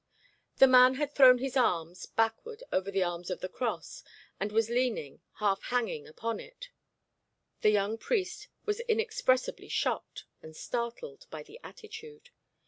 The man had thrown his arms backward over the arms of the cross, and was leaning, half hanging, upon it; the young priest was inexpressibly shocked and startled by the attitude.